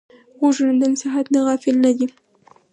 غوږونه د نصیحت نه غافل نه دي